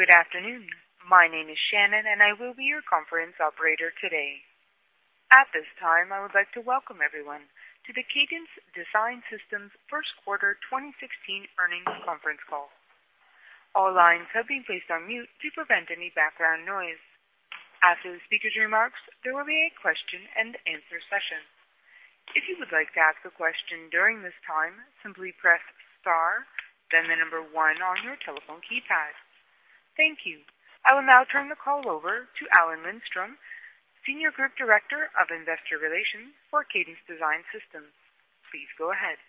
Good afternoon. My name is Shannon, and I will be your conference operator today. At this time, I would like to welcome everyone to the Cadence Design Systems first quarter 2016 earnings conference call. All lines have been placed on mute to prevent any background noise. After the speaker's remarks, there will be a question and answer session. If you would like to ask a question during this time, simply press star then 1 on your telephone keypad. Thank you. I will now turn the call over to Alan Lindstrom, Senior Group Director of Investor Relations for Cadence Design Systems. Please go ahead.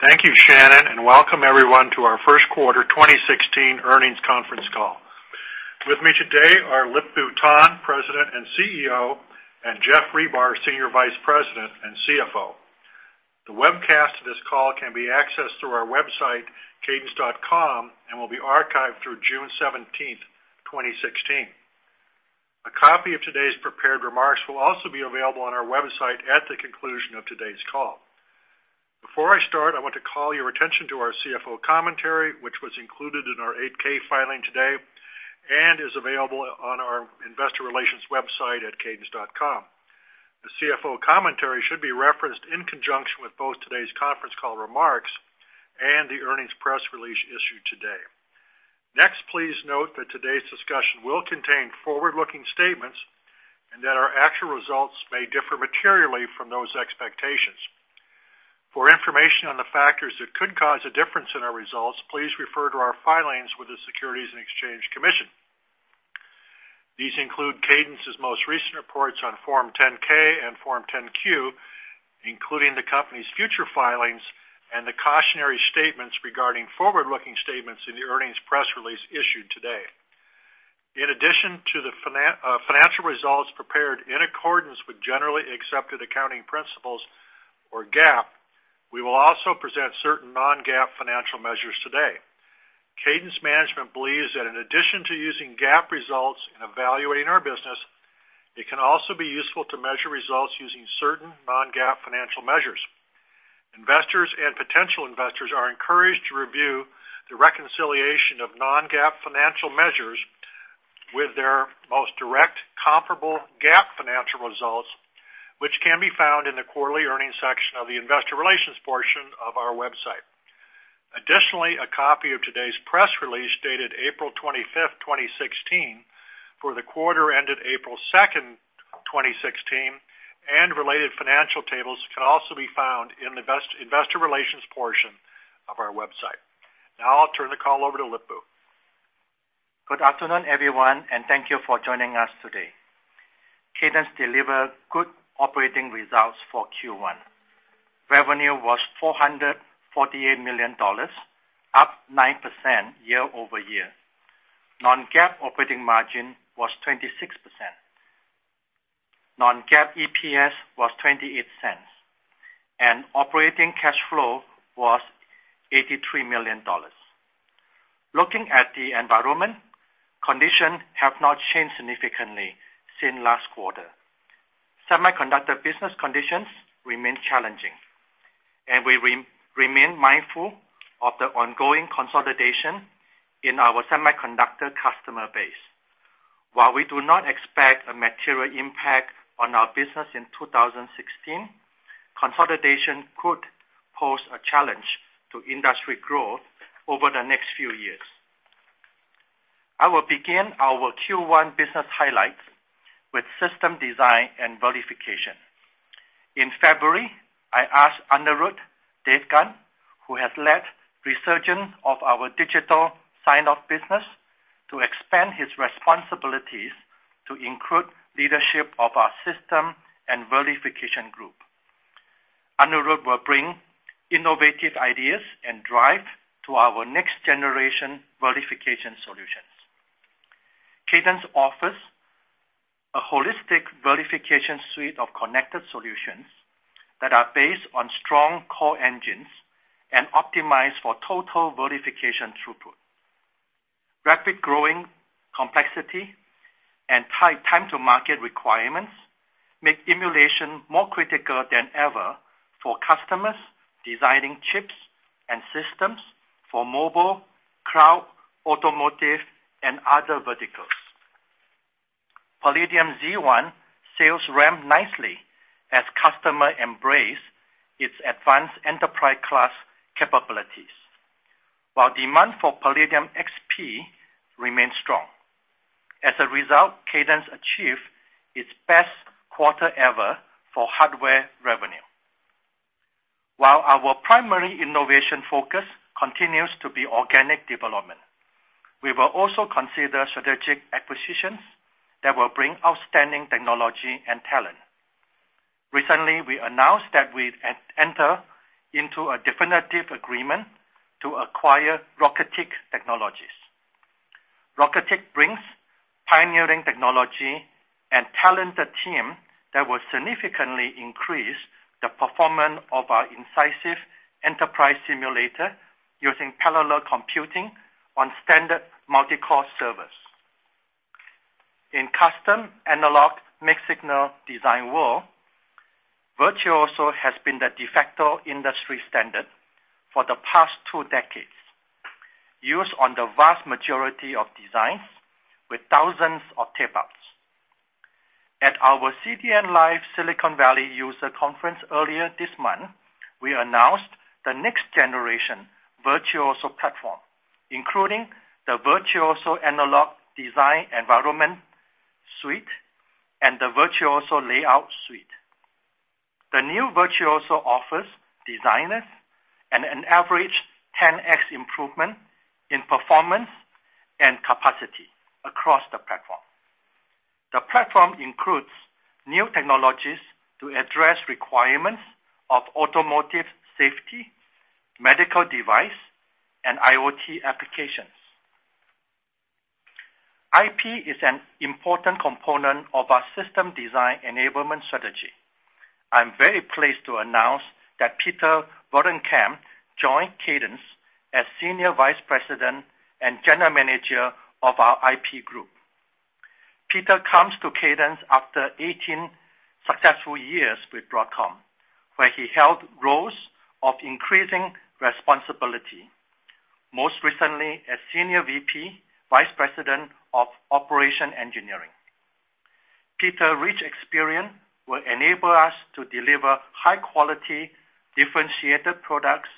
Thank you, Shannon, and welcome everyone to our first quarter 2016 earnings conference call. With me today are Lip-Bu Tan, President and CEO, and Geoff Ribar, Senior Vice President and CFO. The webcast of this call can be accessed through our website, cadence.com, and will be archived through June 17th, 2016. A copy of today's prepared remarks will also be available on our website at the conclusion of today's call. Before I start, I want to call your attention to our CFO commentary, which was included in our 8-K filing today and is available on our investor relations website at cadence.com. The CFO commentary should be referenced in conjunction with both today's conference call remarks and the earnings press release issued today. Please note that today's discussion will contain forward-looking statements and that our actual results may differ materially from those expectations. For information on the factors that could cause a difference in our results, please refer to our filings with the Securities and Exchange Commission. These include Cadence's most recent reports on Form 10-K and Form 10-Q, including the company's future filings and the cautionary statements regarding forward-looking statements in the earnings press release issued today. In addition to the financial results prepared in accordance with generally accepted accounting principles, or GAAP, we will also present certain non-GAAP financial measures today. Cadence management believes that in addition to using GAAP results in evaluating our business, it can also be useful to measure results using certain non-GAAP financial measures. Investors and potential investors are encouraged to review the reconciliation of non-GAAP financial measures with their most direct comparable GAAP financial results, which can be found in the quarterly earnings section of the investor relations portion of our website. Additionally, a copy of today's press release, dated April 25th, 2016, for the quarter ended April 2nd, 2016, and related financial tables can also be found in the investor relations portion of our website. I'll turn the call over to Lip-Bu. Good afternoon, everyone, and thank you for joining us today. Cadence delivered good operating results for Q1. Revenue was $448 million, up 9% year-over-year. Non-GAAP operating margin was 26%. Non-GAAP EPS was $0.28, and operating cash flow was $83 million. Looking at the environment, conditions have not changed significantly since last quarter. Semiconductor business conditions remain challenging, and we remain mindful of the ongoing consolidation in our semiconductor customer base. While we do not expect a material impact on our business in 2016, consolidation could pose a challenge to industry growth over the next few years. I will begin our Q1 business highlights with system design and verification. In February, I asked Anirudh Devgan, who has led resurgence of our Digital & Signoff business, to expand his responsibilities to include leadership of our System & Verification Group. Anirudh will bring innovative ideas and drive to our next-generation verification solutions. Cadence offers a holistic verification suite of connected solutions that are based on strong core engines and optimized for total verification throughput. Rapid growing complexity and tight time-to-market requirements make emulation more critical than ever for customers designing chips and systems for mobile, cloud, automotive, and other verticals. Palladium Z1 sales ramped nicely as customers embrace its advanced enterprise-class capabilities, while demand for Palladium XP remains strong. As a result, Cadence achieved its best quarter ever for hardware revenue. While our primary innovation focus continues to be organic development, we will also consider strategic acquisitions that will bring outstanding technology and talent. Recently, we announced that we entered into a definitive agreement to acquire Rocketick Technologies. Rocketick brings pioneering technology and talented team that will significantly increase the performance of our Incisive enterprise simulator using parallel computing on standard multi-core servers. In custom analog mixed-signal design world, Virtuoso has been the de facto industry standard for the past 2 decades, used on the vast majority of designs with thousands of tape outs. At our CadenceLIVE Silicon Valley user conference earlier this month, we announced the next-generation Virtuoso platform, including the Virtuoso Analog Design Environment Suite and the Virtuoso Layout Suite. The new Virtuoso offers designers an average 10X improvement in performance and capacity across the platform. The platform includes new technologies to address requirements of automotive safety, medical device, and IoT applications. IP is an important component of our system design enablement strategy. I'm very pleased to announce that Peter Bollenkamp joined Cadence as Senior Vice President and General Manager of our IP Group. Peter comes to Cadence after 18 successful years with Broadcom, where he held roles of increasing responsibility, most recently as Senior VP, Vice President of Operation Engineering. Peter's rich experience will enable us to deliver high-quality, differentiated products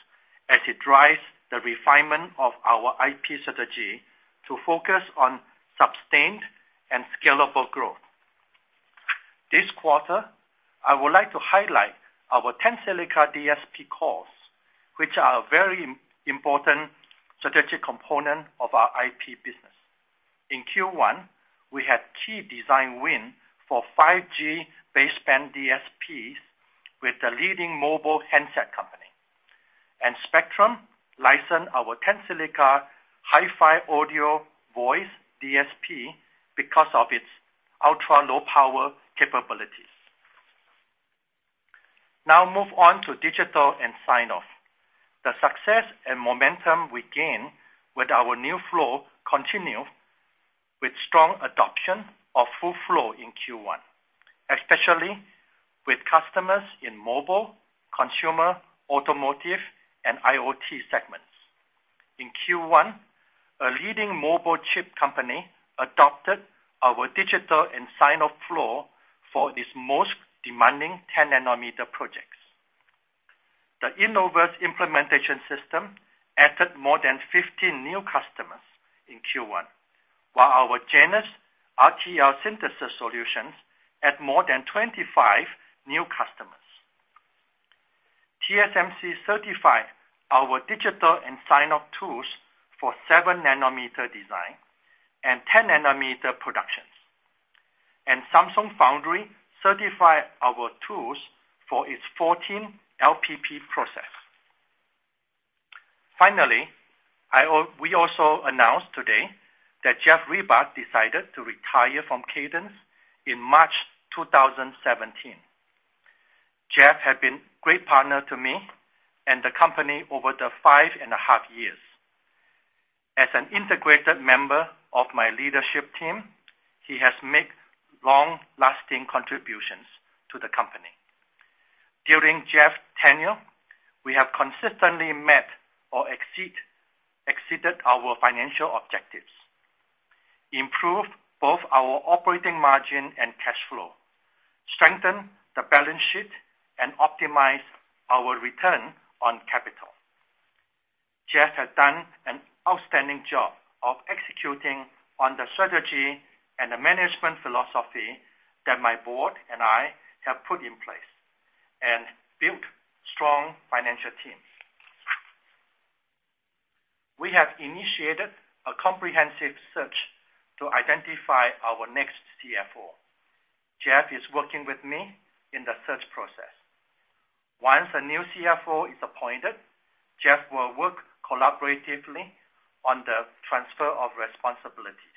as it drives the refinement of our IP strategy to focus on sustained and scalable growth. This quarter, I would like to highlight our Tensilica DSP cores, which are a very important strategic component of our IP business. In Q1, we had key design win for 5G baseband DSPs with the leading mobile handset company. Spreadtrum licensed our Tensilica HiFi audio voice DSP because of its ultra-low power capabilities. Now move on to Digital & Signoff. The success and momentum we gained with our new flow continue with strong adoption of full flow in Q1, especially with customers in mobile, consumer, automotive, and IoT segments. In Q1, a leading mobile chip company adopted our digital and sign-off flow for its most demanding 10-nanometer projects. The Innovus implementation system added more than 15 new customers in Q1, while our Genus RTL synthesis solutions added more than 25 new customers. TSMC certified our digital and sign-off tools for seven-nanometer design and 10-nanometer productions. Samsung Foundry certified our tools for its 14 LPP process. Finally, we also announced today that Geoff Ribar decided to retire from Cadence in March 2017. Geoff had been a great partner to me and the company over the five and a half years. As an integrated member of my leadership team, he has made long-lasting contributions to the company. During Geoff's tenure, we have consistently met or exceeded our financial objectives, improved both our operating margin and cash flow, strengthened the balance sheet, and optimized our return on capital. Geoff has done an outstanding job of executing on the strategy and the management philosophy that my board and I have put in place and built strong financial teams. We have initiated a comprehensive search to identify our next CFO. Geoff is working with me in the search process. Once a new CFO is appointed, Geoff will work collaboratively on the transfer of responsibilities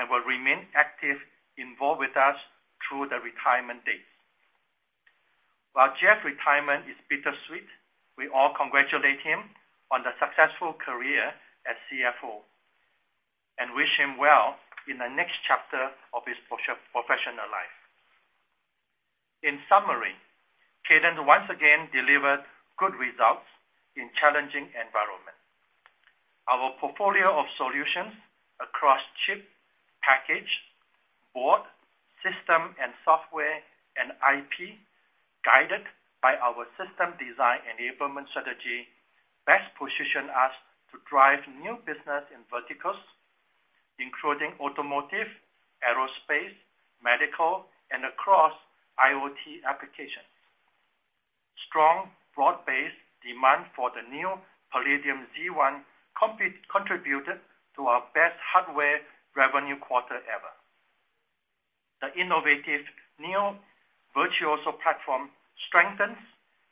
and will remain active, involved with us through the retirement date. While Geoff's retirement is bittersweet, we all congratulate him on the successful career as CFO and wish him well in the next chapter of his professional life. In summary, Cadence once again delivered good results in a challenging environment. Our portfolio of solutions across chip, package, board, system, and software, and IP, guided by our system design enablement strategy, best position us to drive new business in verticals, including automotive, aerospace, medical, and across IoT applications. Strong, broad-based demand for the new Palladium Z1 contributed to our best hardware revenue quarter ever. The innovative new Virtuoso platform strengthens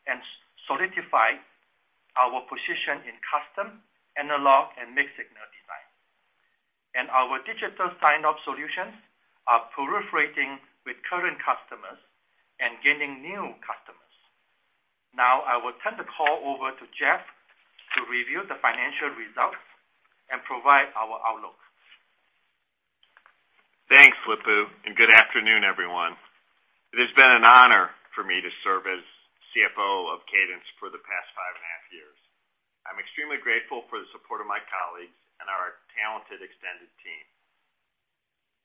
and solidifies our position in custom, analog, and mixed-signal design. Our digital sign-off solutions are proliferating with current customers and gaining new customers. Over to Geoff to review the financial results and provide our outlook. Thanks, Lip-Bu, and good afternoon, everyone. It has been an honor for me to serve as CFO of Cadence for the past five and a half years. I'm extremely grateful for the support of my colleagues and our talented extended team.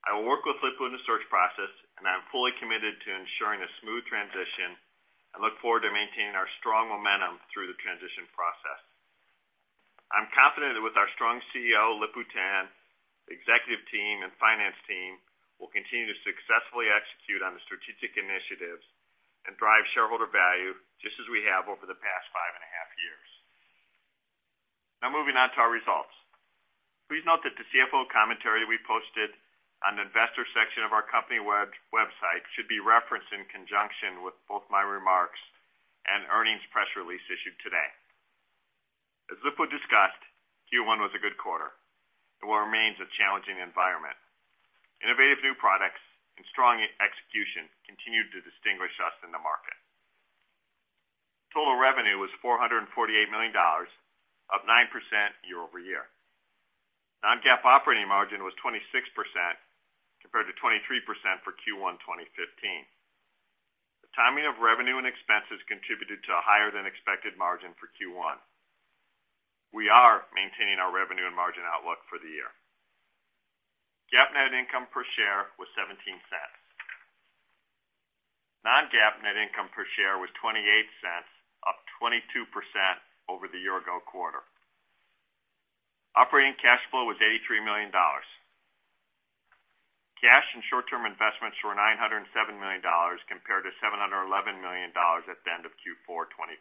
I will work with Lip-Bu in the search process. I'm fully committed to ensuring a smooth transition and look forward to maintaining our strong momentum through the transition process. I'm confident that with our strong CEO, Lip-Bu Tan, executive team, and finance team, we'll continue to successfully execute on the strategic initiatives and drive shareholder value just as we have over the past five and a half years. Now, moving on to our results. Please note that the CFO commentary we posted on the investor section of our company website should be referenced in conjunction with both my remarks and earnings press release issued today. As Lip-Bu discussed, Q1 was a good quarter. It remains a challenging environment. Innovative new products and strong execution continued to distinguish us in the market. Total revenue was $448 million, up 9% year-over-year. Non-GAAP operating margin was 26%, compared to 23% for Q1 2015. The timing of revenue and expenses contributed to a higher-than-expected margin for Q1. We are maintaining our revenue and margin outlook for the year. GAAP net income per share was $0.17. Non-GAAP net income per share was $0.28, up 22% over the year-ago quarter. Operating cash flow was $83 million. Cash and short-term investments were $907 million, compared to $711 million at the end of Q4 2015.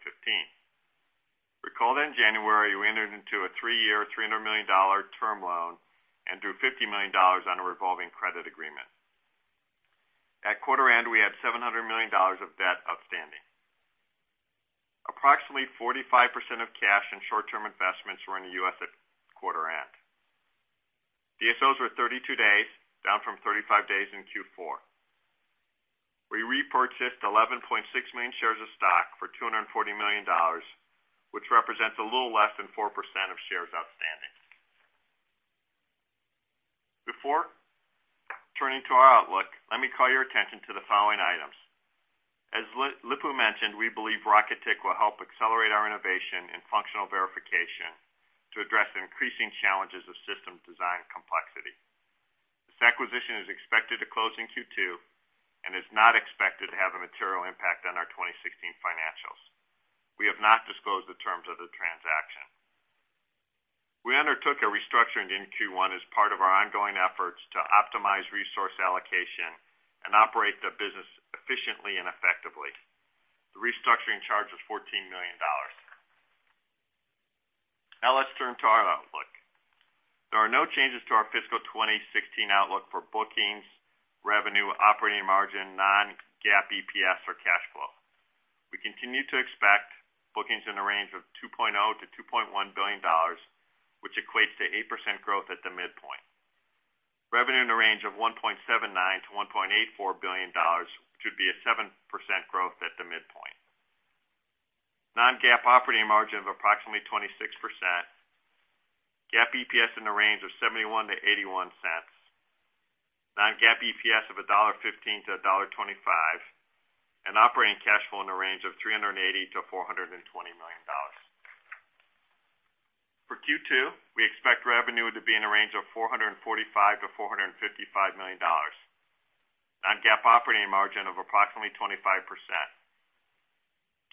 Recall that in January, we entered into a three-year, $300 million term loan and drew $50 million on a revolving credit agreement. At quarter end, we had $700 million of debt outstanding. Approximately 45% of cash and short-term investments were in the U.S. at quarter end. DSOs were 32 days, down from 35 days in Q4. We repurchased 11.6 million shares of stock for $240 million, which represents a little less than 4% of shares outstanding. Before turning to our outlook, let me call your attention to the following items. As Lip-Bu mentioned, we believe Rocketick will help accelerate our innovation in functional verification to address the increasing challenges of system design complexity. This acquisition is expected to close in Q2 and is not expected to have a material impact on our 2016 financials. We have not disclosed the terms of the transaction. We undertook a restructuring in Q1 as part of our ongoing efforts to optimize resource allocation and operate the business efficiently and effectively. The restructuring charge was $14 million. Let's turn to our outlook. There are no changes to our fiscal 2016 outlook for bookings, revenue, operating margin, non-GAAP EPS, or cash flow. We continue to expect bookings in the range of $2.0 billion-$2.1 billion, which equates to 8% growth at the midpoint. Revenue in the range of $1.79 billion-$1.84 billion, which would be a 7% growth at the midpoint. Non-GAAP operating margin of approximately 26%. GAAP EPS in the range of $0.71-$0.81. Non-GAAP EPS of $1.15-$1.25. Operating cash flow in the range of $380 million-$420 million. For Q2, we expect revenue to be in the range of $445 million-$455 million. Non-GAAP operating margin of approximately 25%.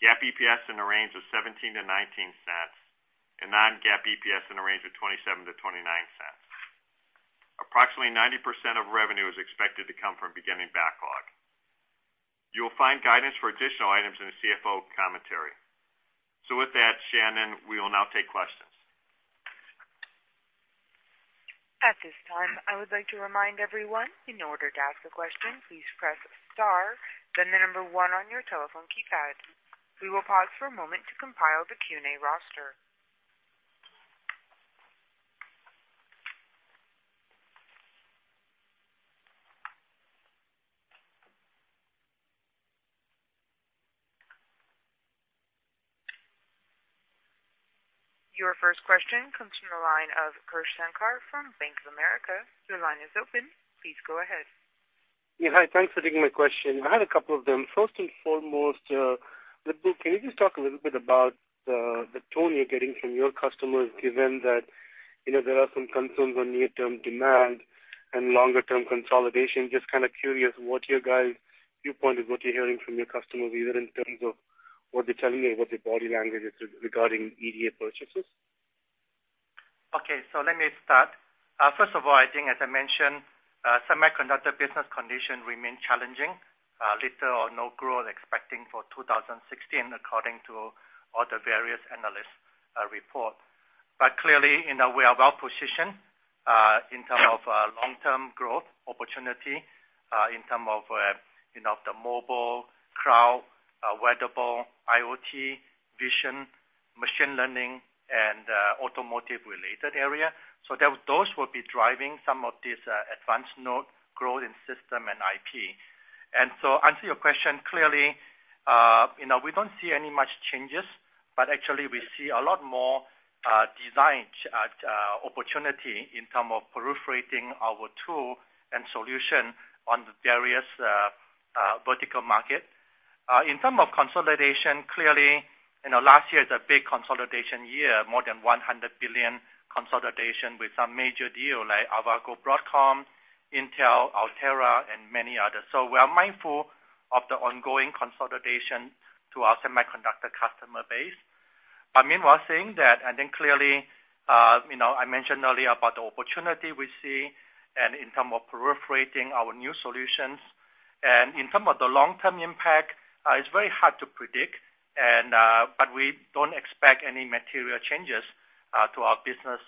GAAP EPS in the range of $0.17-$0.19, and non-GAAP EPS in the range of $0.27-$0.29. Approximately 90% of revenue is expected to come from beginning backlog. You will find guidance for additional items in the CFO commentary. With that, Shannon, we will now take questions. At this time, I would like to remind everyone, in order to ask a question, please press star, then the number one on your telephone keypad. We will pause for a moment to compile the Q&A roster. Your first question comes from the line of Krish Sankar from Bank of America. Your line is open. Please go ahead. Yeah, hi. Thanks for taking my question. I had a couple of them. First and foremost, Lip-Bu, can you just talk a little bit about the tone you're getting from your customers, given that there are some concerns on near-term demand and longer-term consolidation? Just kind of curious what your guys' viewpoint is, what you're hearing from your customers, either in terms of what they're telling you or what their body language is regarding EDA purchases. Okay, let me start. First of all, I think as I mentioned, semiconductor business conditions remain challenging. Little or no growth expecting for 2016, according to all the various analysts report. Clearly, we are well-positioned in term of long-term growth opportunity, in term of the mobile, cloud, wearable, IoT, vision, machine learning, and automotive-related area. Those will be driving some of this advanced node growth in system and IP. To answer your question, clearly, we don't see any much changes. Actually, we see a lot more design opportunity in term of proliferating our tool and solution on the various vertical market. In term of consolidation, clearly, last year is a big consolidation year, more than $100 billion consolidation with some major deal like Avago, Broadcom, Intel, Altera, and many others. We are mindful of the ongoing consolidation to our semiconductor customer base. Meanwhile, saying that, clearly, I mentioned earlier about the opportunity we see and in term of proliferating our new solutions. In term of the long-term impact, it's very hard to predict, but we don't expect any material changes to our business.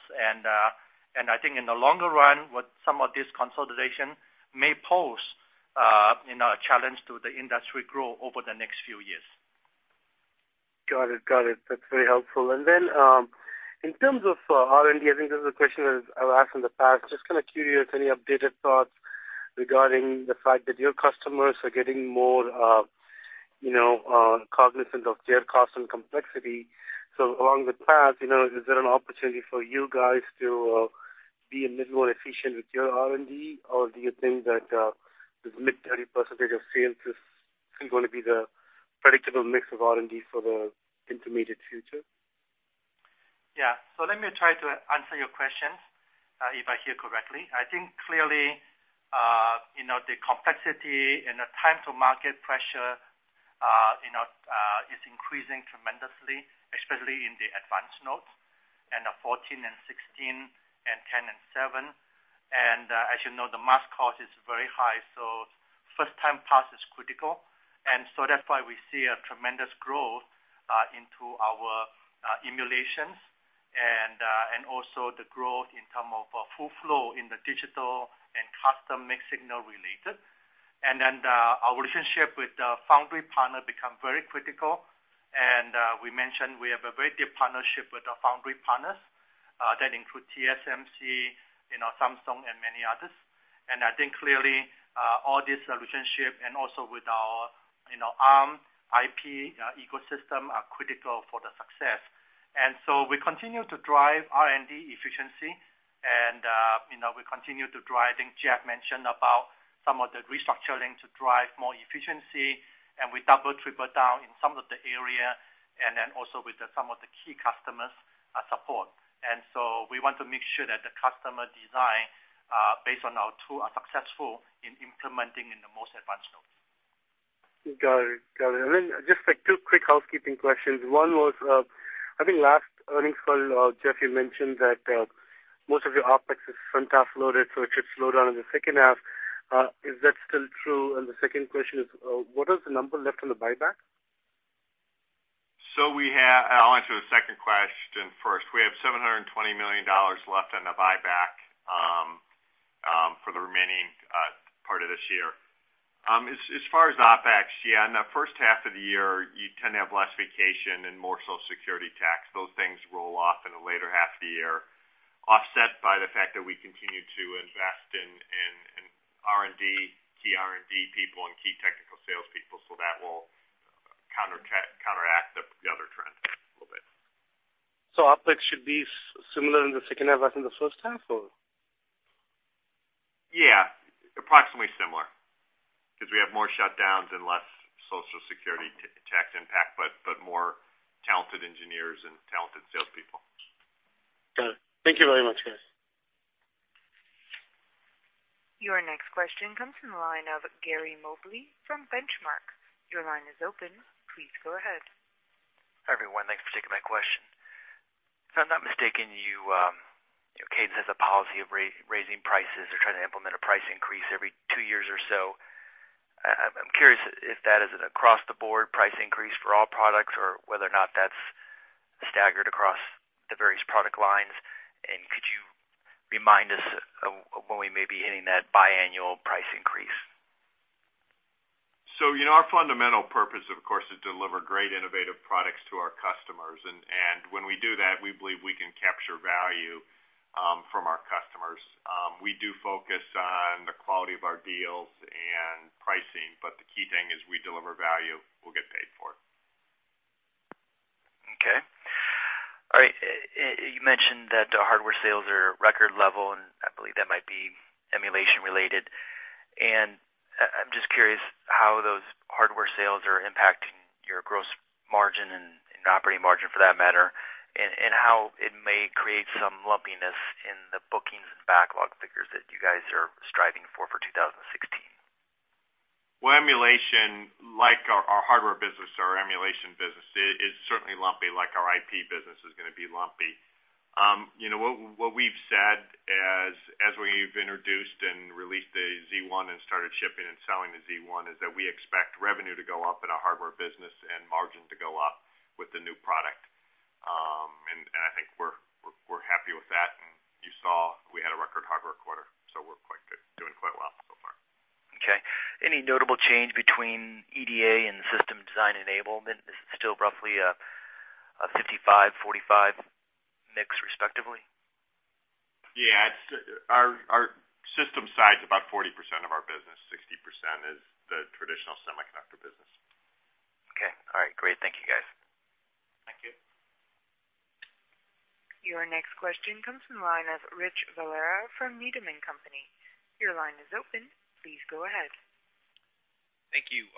I think in the longer run, what some of this consolidation may pose a challenge to the industry growth over the next few years. Got it. That's very helpful. In terms of R&D, I think this is a question that I've asked in the past. Just kind of curious, any updated thoughts regarding the fact that your customers are getting more cognizant of their cost and complexity. Along the path, is there an opportunity for you guys to be a little more efficient with your R&D? Or do you think that this mid-30% of sales is still going to be the predictable mix of R&D for the intermediate future? Yeah. Let me try to answer your question, if I hear correctly. I think clearly, the complexity and the time to market pressure is increasing tremendously, especially in the advanced nodes, in the 14 and 16 and 10 and 7. As you know, the mask cost is very high, first time pass is critical, that's why we see a tremendous growth into our emulations and also the growth in term of full flow in the digital and custom mixed signal related. Our relationship with the foundry partner become very critical, we mentioned we have a very deep partnership with our foundry partners, that include TSMC, Samsung, and many others. I think clearly, all this relationship and also with our ARM IP ecosystem are critical for the success. We continue to drive R&D efficiency, we continue to drive, I think Geoff mentioned about some of the restructuring to drive more efficiency, we double, triple down in some of the area, also with some of the key customers support. We want to make sure that the customer design, based on our tool, are successful in implementing in the most advanced nodes. Got it. Just two quick housekeeping questions. One was, I think last earnings call, Geoff, you mentioned that most of your OpEx is front-half loaded, it should slow down in the second half. Is that still true? The second question is, what is the number left on the buyback? I'll answer the second question first. We have $720 million left on the buyback for the remaining part of this year. As far as OpEx, in the first half of the year, you tend to have less vacation and more Social Security tax. Those things roll off in the later half of the year, offset by the fact that we continue to invest in R&D, key R&D people, and key technical salespeople. That will counteract the other trend a little bit. OpEx should be similar in the second half as in the first half, or? Approximately similar, we have more shutdowns and less Social Security tax impact, but more talented engineers and talented salespeople. Got it. Thank you very much, guys. Your next question comes from the line of Gary Mobley from Benchmark. Your line is open. Please go ahead. Hi, everyone. Thanks for taking my question. If I'm not mistaken, Cadence has a policy of raising prices or trying to implement a price increase every two years or so. I'm curious if that is an across the board price increase for all products or whether or not that's staggered across the various product lines. Could you remind us of when we may be hitting that biannual price increase? Our fundamental purpose, of course, is deliver great innovative products to our customers. When we do that, we believe we can capture value from our customers. We do focus on the quality of our deals and pricing, but the key thing is we deliver value, we'll get paid for it. Okay. All right. You mentioned that the hardware sales are record level, I believe that might be emulation related. I'm just curious how those hardware sales are impacting your gross margin and operating margin for that matter, and how it may create some lumpiness in the bookings and backlog figures that you guys are striving for 2016. Well, emulation, like our hardware business or our emulation business, is certainly lumpy like our IP business is going to be lumpy. What we've said as we've introduced and released the Z1 and started shipping and selling the Z1, is that we expect revenue to go up in our hardware business and margin to go up with the new product. I think we're happy with that. You saw we had a record hardware quarter, we're doing quite well so far. Okay. Any notable change between EDA and system design enablement? Is it still roughly a 55%-45% mix respectively? Yeah. Our system side is about 40% of our business. Traditional semiconductor business. Okay. All right, great. Thank you, guys. Thank you. Your next question comes from the line of Rich Valera from Needham & Company. Your line is open. Please go ahead. Thank you.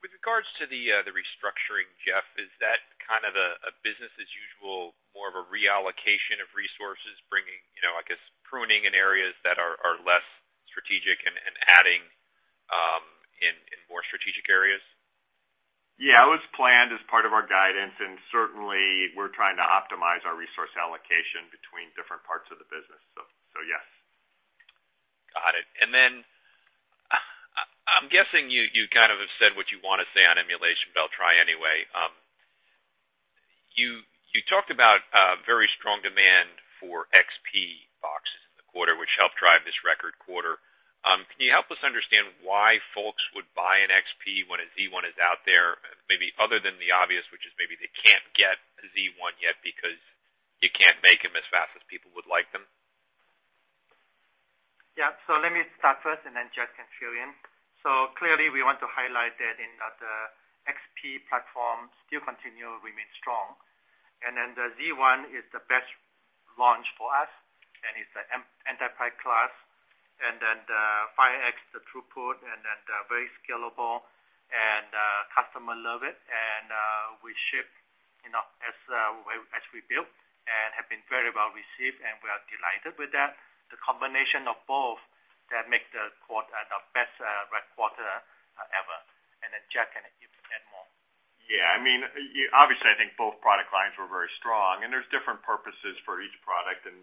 With regards to the restructuring, Geoff, is that kind of a business as usual, more of a reallocation of resources bringing, I guess, pruning in areas that are less strategic and adding in more strategic areas? Yeah, it was planned as part of our guidance, certainly we're trying to optimize our resource allocation between different parts of the business. Yes. Got it. I'm guessing you kind of have said what you want to say on emulation, but I'll try anyway. You talked about very strong demand for XP boxes in the quarter, which helped drive this record quarter. Can you help us understand why folks would buy an XP when a Z1 is out there? Maybe other than the obvious, which is maybe they can't get a Z1 yet because you can't make them as fast as people would like them. Let me start first, Geoff can fill in. Clearly, we want to highlight that in the XP platform still continually remains strong. The Z1 is the best launch for us, and it's the enterprise class. The 5x, the throughput, and very scalable, and customer love it. We ship as we build, and have been very well received, and we are delighted with that. The combination of both that make the best quarter ever. Geoff can add more. Obviously, I think both product lines were very strong, and there's different purposes for each product and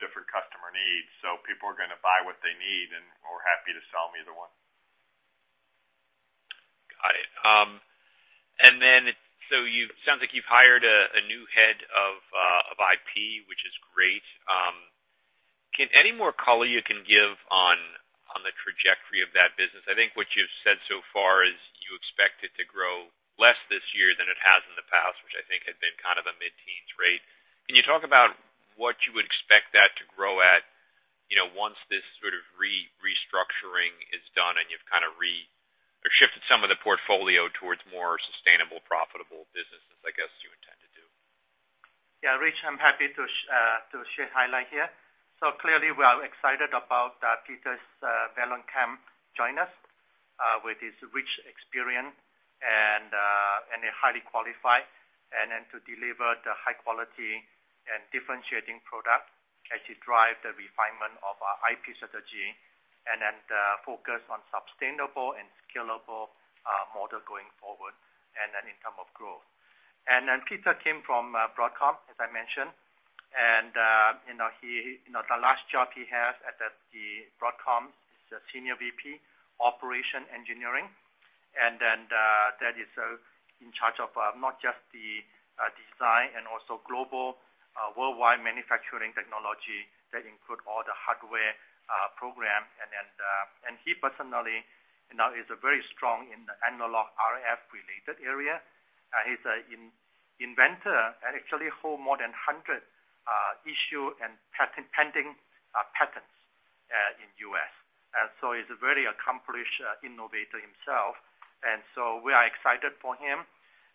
different customer needs. People are going to buy what they need, and we're happy to sell them either one. Got it. It sounds like you've hired a new head of IP, which is great. Any more color you can give on the trajectory of that business? I think what you've said so far is you expect it to grow less this year than it has in the past, which I think had been kind of a mid-teens rate. Can you talk about what you would expect that to grow at once this sort of restructuring is done and you've shifted some of the portfolio towards more sustainable, profitable businesses, I guess you intend to do? Rich, I'm happy to share a highlight here. Clearly, we are excited about Peter Bollenkamp join us, with his rich experience and highly qualified, to deliver the high quality and differentiating product as he drive the refinement of our IP strategy the focus on sustainable and scalable model going forward, in term of growth. Peter came from Broadcom, as I mentioned. The last job he had at Broadcom is the Senior VP, Operation Engineering. That is in charge of not just the design and also global worldwide manufacturing technology that include all the hardware program. He personally now is very strong in the analog RF-related area. He's an inventor and actually hold more than 100 issued and pending patents in U.S. He's a very accomplished innovator himself, we are excited for him.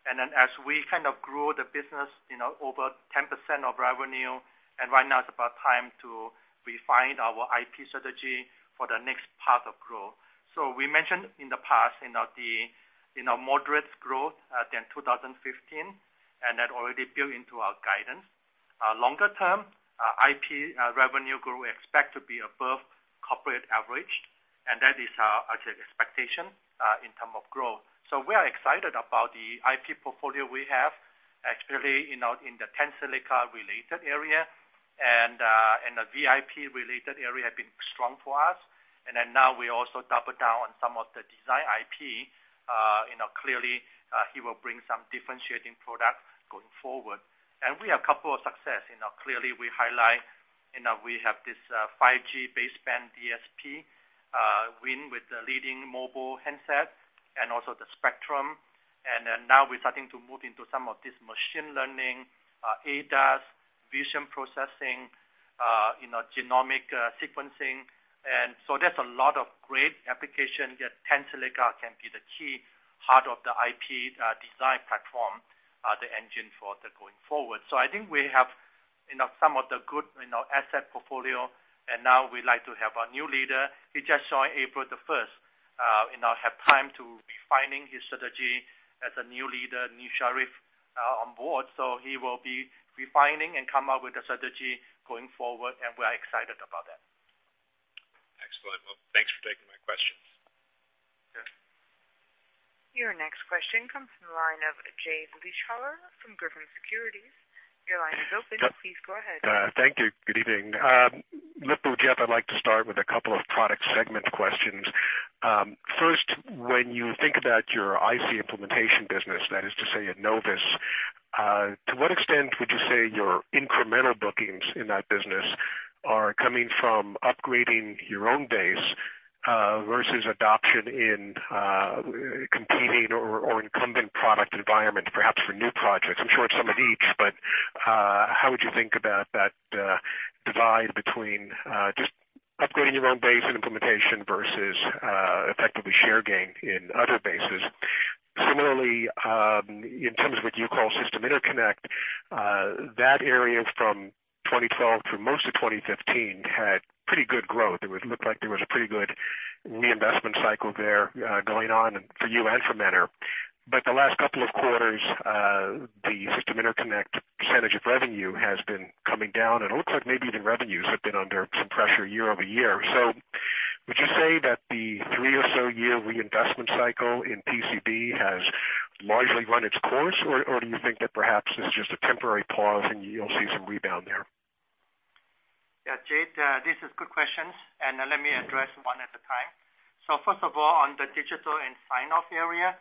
As we kind of grow the business over 10% of revenue, right now it's about time to refine our IP strategy for the next path of growth. We mentioned in the past, the moderate growth than 2015, that already built into our guidance. Longer term, IP revenue growth we expect to be above corporate average, that is our expectation in term of growth. We are excited about the IP portfolio we have, especially in the Tensilica-related area, the VIP-related area have been strong for us. Now we also double down on some of the design IP. Clearly, he will bring some differentiating product going forward. We have couple of success. Clearly, we highlight we have this 5G baseband DSP win with the leading mobile handset and also Spreadtrum. Now we're starting to move into some of this machine learning, ADAS, vision processing, genomic sequencing. There's a lot of great application that Tensilica can be the key part of the IP design platform, the engine for going forward. I think we have some of the good asset portfolio, now we like to have a new leader. He just joined April 1st, now have time to refining his strategy as a new leader, new sheriff on board. He will be refining and come up with a strategy going forward, we are excited about that. Excellent. Thanks for taking my questions. Yeah. Your next question comes from the line of Jay Vleeschhouwer from Griffin Securities. Your line is open. Please go ahead. Thank you. Good evening. Lip-Bu, Geoff, I'd like to start with a couple of product segment questions. First, when you think about your IC implementation business, that is to say at Innovus, to what extent would you say your incremental bookings in that business are coming from upgrading your own base versus adoption in competing or incumbent product environment, perhaps for new projects? I'm sure it's some of each, but how would you think about that? Divide between just upgrading your own base and implementation versus effectively share gain in other bases. Similarly, in terms of what you call system interconnect, that area from 2012 through most of 2015 had pretty good growth. It looked like there was a pretty good reinvestment cycle there, going on and for you and for Mentor. The last couple of quarters, the system interconnect percentage of revenue has been coming down, and it looks like maybe even revenues have been under some pressure year-over-year. Would you say that the three or so year reinvestment cycle in PCB has largely run its course? Do you think that perhaps this is just a temporary pause and you'll see some rebound there? Jay, these are good questions, and let me address one at a time. First of all, on the digital and sign-off area,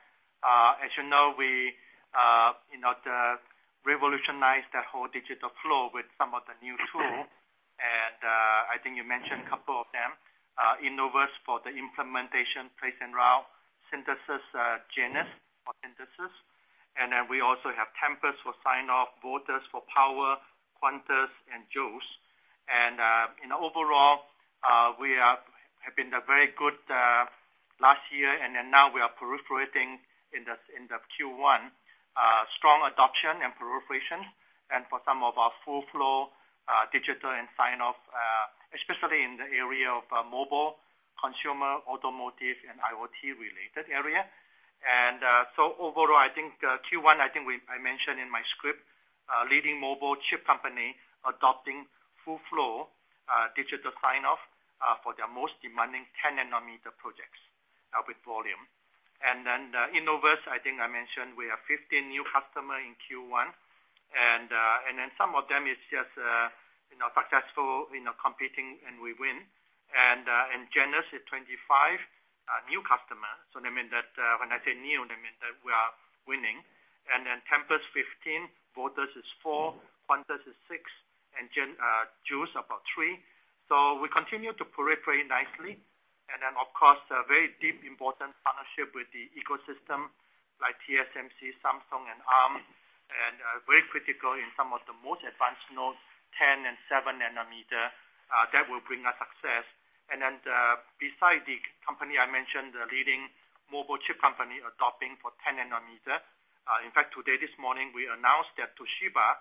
as you know, we revolutionized the whole digital flow with some of the new tools. I think you mentioned a couple of them. Innovus for the implementation place and route, Genus for synthesis. We also have Tempus for sign-off, Voltus for power, Quantus, and Joules. In overall, we have been very good, last year and then now we are proliferating in the Q1, strong adoption and proliferation and for some of our full flow, digital and sign-off, especially in the area of mobile, consumer, automotive, and IoT related area. Overall, I think, Q1, I think I mentioned in my script, leading mobile chip company adopting full flow, digital sign-off, for their most demanding 10-nanometer projects, with volume. Innovus, I think I mentioned we have 15 new customers in Q1, some of them it's just successful competing and we win. Genus, 25 new customers. That means that when I say new, that means that we are winning. Tempus, 15, Voltus is four, Quantus is six, and Joules about three. We continue to proliferate nicely. Of course, a very deep, important partnership with the ecosystem like TSMC, Samsung, and Arm, very critical in some of the most advanced nodes, 10 and seven nanometer, that will bring us success. Beside the company I mentioned, the leading mobile chip company adopting for 10 nanometer. Today, this morning, we announced that Toshiba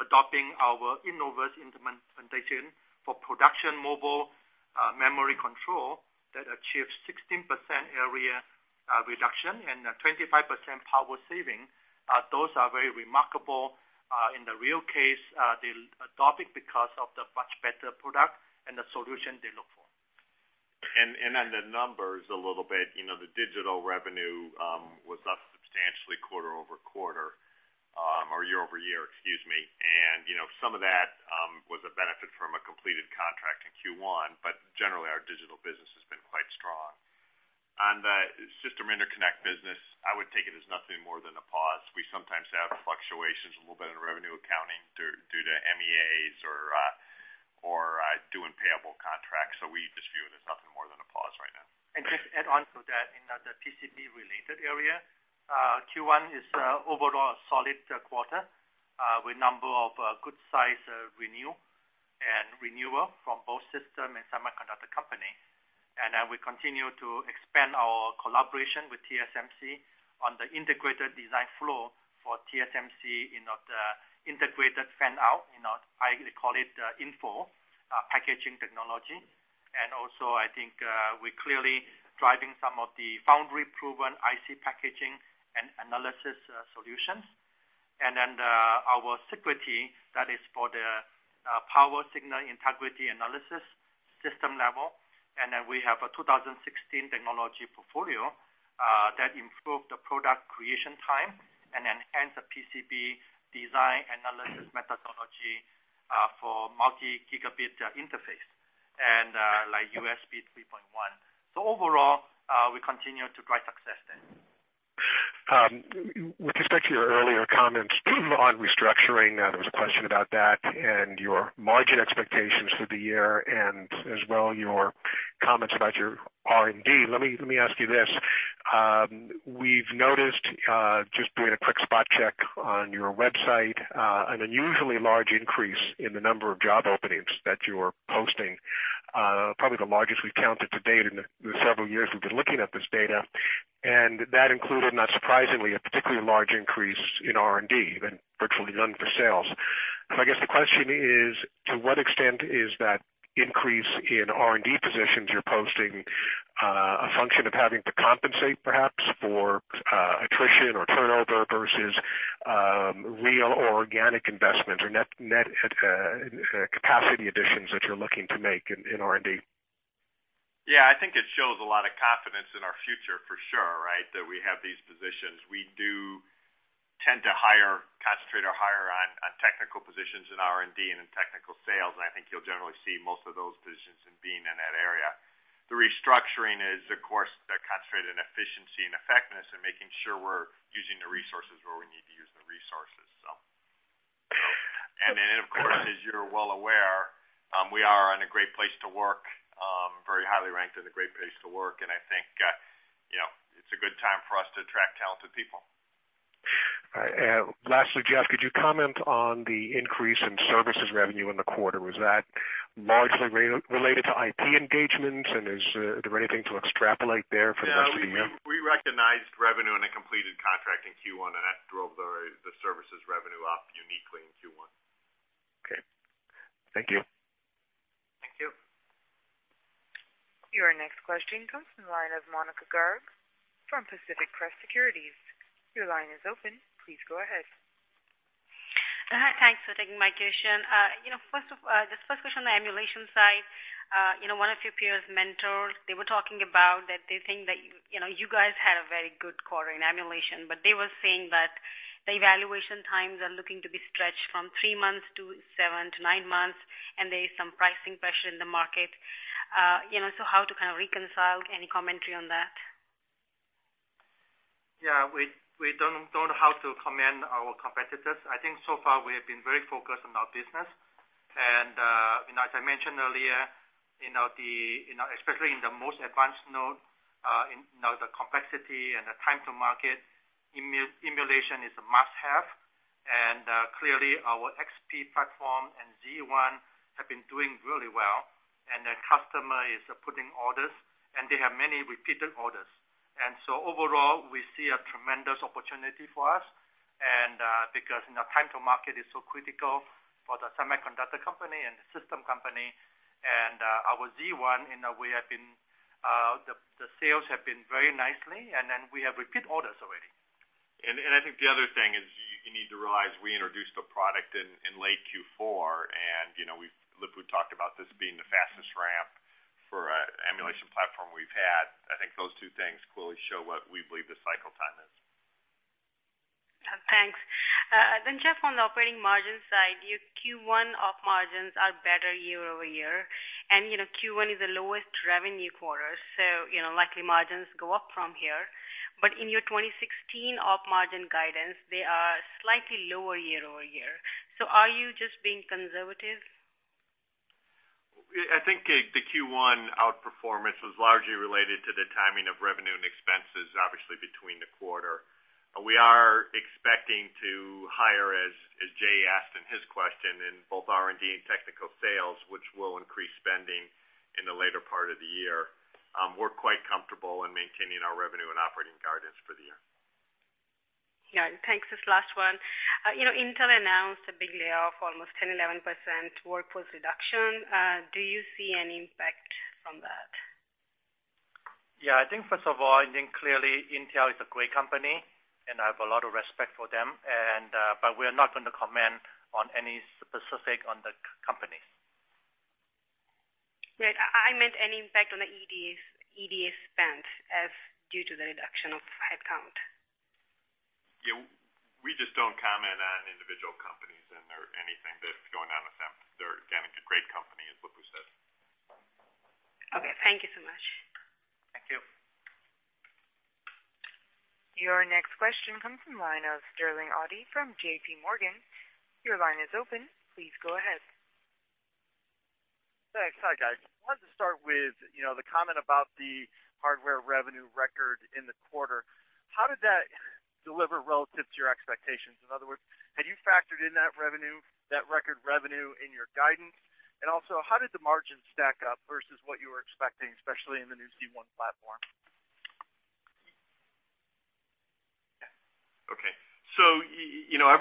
adopting our Innovus implementation for production mobile memory control that achieves 16% area reduction and a 25% power saving. Those are very remarkable, in the real case, they adopt it because of the much better product and the solution they look for. On the numbers a little bit, the digital revenue was up substantially quarter-over-quarter, or year-over-year, excuse me. Some of that was a benefit from a completed contract in Q1, but generally, our digital business has been quite strong. On the system interconnect business, I would take it as nothing more than a pause. We sometimes have fluctuations, a little bit in revenue accounting due to MEAs or doing payable contracts. We just view it as nothing more than a pause right now. Just add on to that, in the PCB related area, Q1 is overall a solid quarter, with number of good size renew and renewal from both system and semiconductor company. We continue to expand our collaboration with TSMC on the integrated design flow for TSMC Integrated Fan-Out, I call it InFO, packaging technology. Also, I think, we're clearly driving some of the foundry-proven IC packaging and analysis solutions. Our Sigrity, that is for the power signal integrity analysis system level. We have a 2016 technology portfolio, that improved the product creation time and enhanced the PCB design analysis methodology for multi-gigabit interface and like USB 3.1. Overall, we continue to drive success there. With respect to your earlier comments on restructuring, there was a question about that and your margin expectations for the year and as well, your comments about your R&D. Let me ask you this. We've noticed, just doing a quick spot check on your website, an unusually large increase in the number of job openings that you're posting. Probably the largest we've counted to date in the several years we've been looking at this data. That included, not surprisingly, a particularly large increase in R&D, and virtually none for sales. I guess the question is, to what extent is that increase in R&D positions you're posting a function of having to compensate perhaps for attrition or turnover versus real or organic investment or net capacity additions that you're looking to make in R&D? Yeah, I think it shows a lot of confidence in our future for sure, right? That we have these positions. We do tend to concentrate our hire on technical positions in R&D and in technical sales, and I think you'll generally see most of those positions in being in that area. The restructuring is, of course, concentrated in efficiency and effectiveness and making sure we're using the resources where we need to use the resources. Then, of course, as you're well aware, we are in a great place to work, very highly ranked as a great place to work. To people. All right. Lastly, Geoff, could you comment on the increase in services revenue in the quarter? Was that largely related to IP engagements, and is there anything to extrapolate there for the rest of the year? Yeah. We recognized revenue in a completed contract in Q1, and that drove the services revenue up uniquely in Q1. Okay. Thank you. Thank you. Your next question comes from the line of Monika Garg from Pacific Crest Securities. Your line is open. Please go ahead. Thanks for taking my question. First question on the emulation side. One of your peers, Mentor, they were talking about that they think that you guys had a very good quarter in emulation, but they were saying that the evaluation times are looking to be stretched from three months to seven to nine months, and there is some pricing pressure in the market. How to kind of reconcile any commentary on that? We don't know how to comment our competitors. I think so far we have been very focused on our business. As I mentioned earlier, especially in the most advanced node, the complexity and the time to market, emulation is a must-have. Clearly our XP platform and Z1 have been doing really well. The customer is putting orders, and they have many repeated orders. Overall, we see a tremendous opportunity for us, and because time to market is so critical for the semiconductor company and the system company, and our Z1, the sales have been very nicely, and then we have repeat orders already. I think the other thing is you need to realize we introduced a product in late Q4. Lip-Bu talked about this being the fastest ramp for an emulation platform we've had. I think those two things clearly show what we believe the cycle time is. Thanks. Jeff, on the operating margin side, your Q1 op margins are better year-over-year. Q1 is the lowest revenue quarter, so likely margins go up from here. In your 2016 op margin guidance, they are slightly lower year-over-year. Are you just being conservative? I think the Q1 outperformance was largely related to the timing of revenue and expenses, obviously, between the quarter. We are expecting to hire, as Jay asked in his question, in both R&D and technical sales, which will increase spending in the later part of the year. We're quite comfortable in maintaining our revenue and operating guidance for the year. Yeah. Thanks. This is last one. Intel announced a big layoff, almost 10, 11% workforce reduction. Do you see any impact from that? Yeah. I think first of all, I think clearly Intel is a great company. I have a lot of respect for them. We're not going to comment on any specific on the companies. Right. I meant any impact on the EDA spend as due to the reduction of headcount. Yeah. We just don't comment on individual companies and/or anything that's going on with them. They're, again, a great company, as Lip-Bu said. Okay. Thank you so much. Thank you. Your next question comes from the line of Sterling Auty from J.P. Morgan. Your line is open. Please go ahead. Thanks. Hi, guys. I wanted to start with the comment about the hardware revenue record in the quarter. How did that deliver relative to your expectations? In other words, had you factored in that record revenue in your guidance? Also, how did the margins stack up versus what you were expecting, especially in the new Z1 platform? Okay.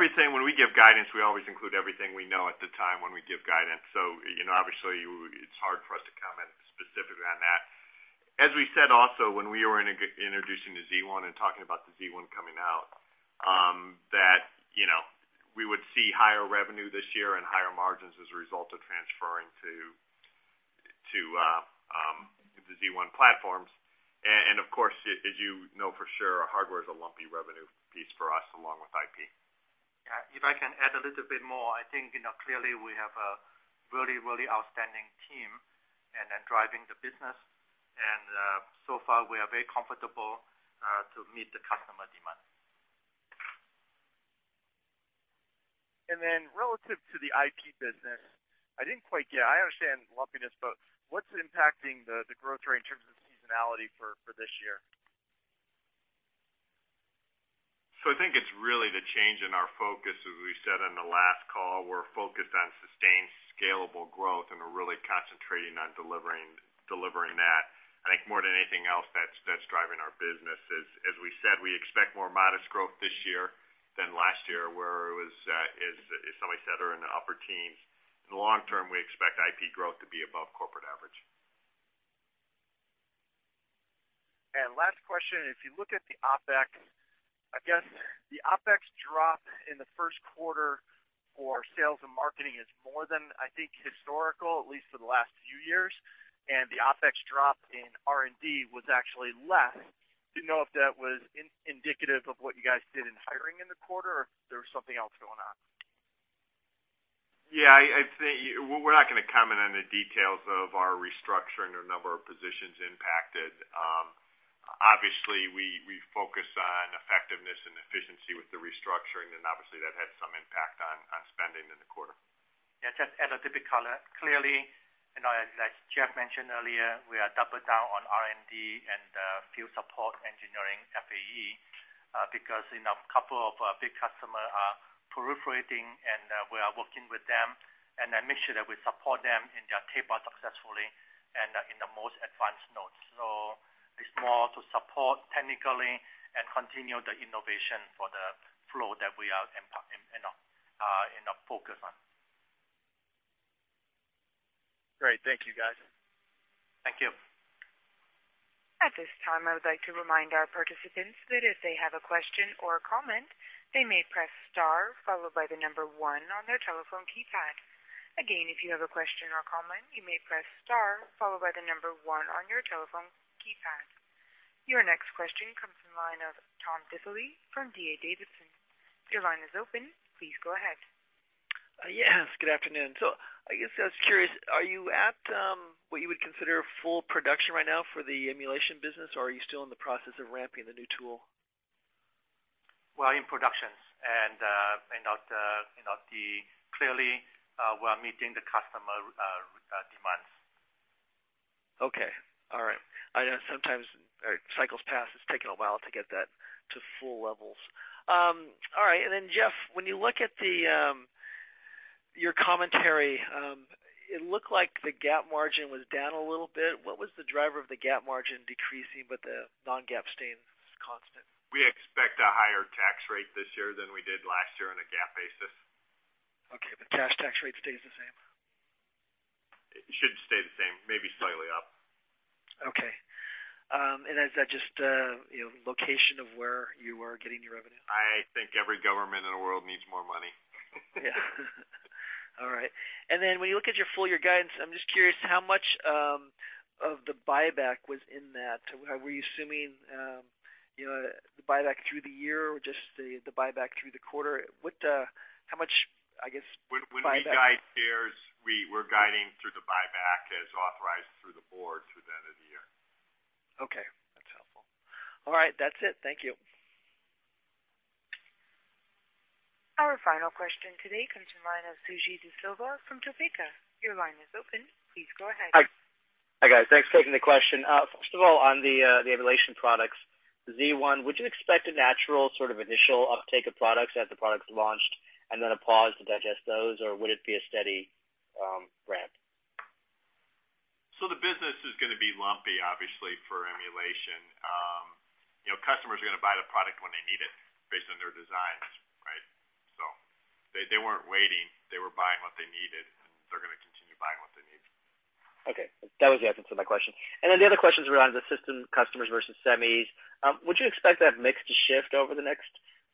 Everything when we give guidance, we always include everything we know at the time when we give guidance. Obviously it's hard for us to comment specifically on that. As we said also when we were introducing the Z1 and talking about the Z1 coming out, that we would see higher revenue this year and higher margins as a result of transferring to the Z1 platforms. Of course, as you know for sure, our hardware is a lumpy revenue piece for us, along with IP. Yeah. If I can add a little bit more, I think clearly we have a really, really outstanding team and are driving the business. So far, we are very comfortable to meet the customer demand. Relative to the IP business, I didn't quite get it. I understand lumpiness, what's impacting the growth rate in terms of seasonality for this year? I think it's really the change in our focus. As we said on the last call, we're focused on sustained scalable growth, We're really concentrating on delivering that. I think more than anything else that's driving our business is, as we said, we expect more modest growth this year than last year, where it was, as somebody said, they're in the upper teens. In the long term, we expect IP growth to be above corporate average. Last question, if you look at the OpEx, I guess the OpEx drop in the first quarter for sales and marketing is more than, I think, historical, at least for the last few years, and the OpEx drop in R&D was actually less. Didn't know if that was indicative of what you guys did in hiring in the quarter, or if there was something else going on. Yeah. I'd say we're not going to comment on the details of our restructuring or number of positions impacted. Obviously, we focus on effectiveness and efficiency with the restructuring, and obviously that had some impact on spending in the quarter. Yeah, just add a typical clearly, as Geoff mentioned earlier, we are double down on R&D and field support engineering FAE, because a couple of big customer are proliferating and we are working with them, and then make sure that we support them in their tape-out successfully and in the most advanced nodes. It's more to support technically and continue the innovation for the flow that we are focused on. Great. Thank you, guys. Thank you. At this time, I would like to remind our participants that if they have a question or a comment, they may press star followed by the number one on their telephone keypad. Again, if you have a question or comment, you may press star followed by the number one on your telephone keypad. Your next question comes from the line of Tom Diffely from D.A. Davidson. Your line is open. Please go ahead. Yes, good afternoon. I guess I was curious, are you at what you would consider full production right now for the emulation business, or are you still in the process of ramping the new tool? We're in production. Clearly, we are meeting the customer demands. Okay. All right. I know sometimes cycles pass, it's taken a while to get that to full levels. All right. Geoff, when you look at your commentary, it looked like the GAAP margin was down a little bit. What was the driver of the GAAP margin decreasing, but the non-GAAP staying constant? We expect a higher tax rate this year than we did last year on a GAAP basis. Okay. The cash tax rate stays the same? It should stay the same, maybe slightly up. Okay. Is that just location of where you are getting your revenue? I think every government in the world needs more money. Yeah. All right. When you look at your full year guidance, I'm just curious how much of the buyback was in that. Were you assuming the buyback through the year or just the buyback through the quarter? When we guide shares, we're guiding through the buyback as authorized through the board through the end of the year. Okay. That's helpful. All right. That's it. Thank you. Our final question today comes from line of Suji DeSilva from Topeka. Your line is open. Please go ahead. Hi, guys. Thanks for taking the question. First of all, on the emulation products, Z1, would you expect a natural sort of initial uptake of products as the product's launched and then a pause to digest those, or would it be a steady ramp? The business is going to be lumpy, obviously, for emulation. Customers are going to buy the product when they need it based on their designs, right? They weren't waiting. They were buying what they needed, and they're going to continue buying what they need. That was the answer to my question. The other questions were on the system customers versus semis. Would you expect that mix to shift over the next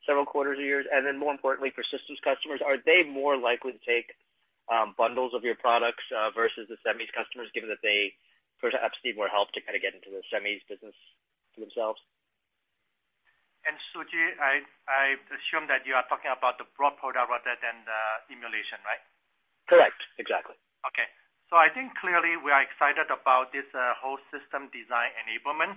several quarters or years? More importantly for systems customers, are they more likely to take bundles of your products, versus the semis customers, given that they perhaps need more help to kind of get into the semis business themselves? Suji, I assume that you are talking about the broad product rather than the emulation, right? Correct. Exactly. Okay. I think clearly we are excited about this whole system design enablement.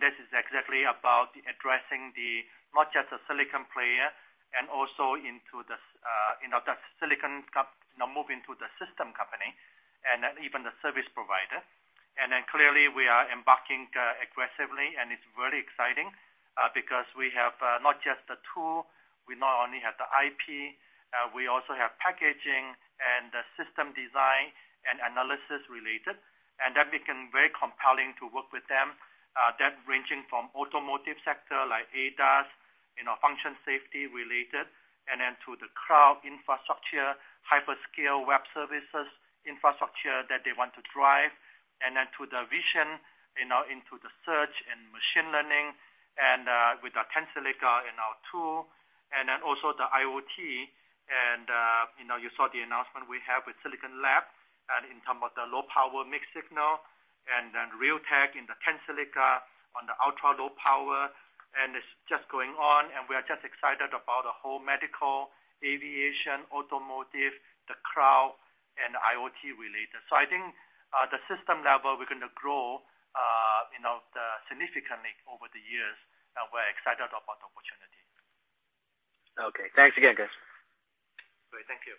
This is exactly about addressing the, not just the silicon player and also the silicon move into the system company and even the service provider. Clearly we are embarking aggressively and it's very exciting, because we have not just the tool, we not only have the IP, we also have packaging and the system design and analysis related. That became very compelling to work with them, that ranging from automotive sector like ADAS, function safety related, to the cloud infrastructure, hyperscale web services infrastructure that they want to drive, to the vision into the search and machine learning. With our Tensilica in our tool, also the IoT. You saw the announcement we have with Silicon Labs in term of the low power mixed signal, Realtek in the Tensilica on the ultra-low power. It's just going on. We are just excited about the whole medical, aviation, automotive, the cloud, and IoT related. I think, the system level, we're going to grow significantly over the years, and we're excited about the opportunity. Okay. Thanks again, guys. Great. Thank you.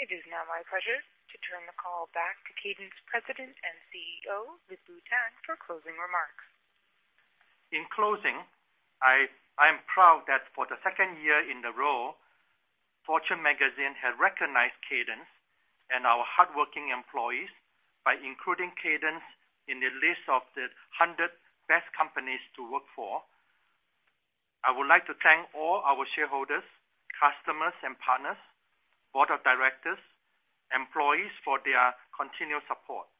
It is now my pleasure to turn the call back to Cadence President and CEO, Lip-Bu Tan, for closing remarks. In closing, I am proud that for the second year in a row, Fortune magazine has recognized Cadence and our hardworking employees by including Cadence in the list of the 100 Best Companies to Work For. I would like to thank all our shareholders, customers and partners, Board of Directors, employees, for their continued support.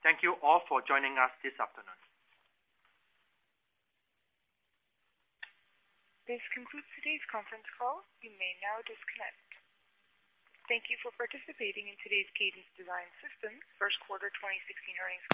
Thank you all for joining us this afternoon. This concludes today's conference call. You may now disconnect. Thank you for participating in today's Cadence Design Systems first quarter 2016 earnings call.